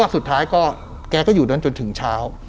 สุดท้ายก็แกก็อยู่นั้นจนถึงเช้า